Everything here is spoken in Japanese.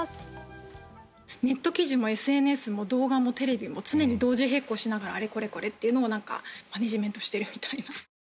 ネット記事もＳＮＳも動画もテレビも常に同時並行しながらあれこれっていうのをマネジメントしてるみたいな。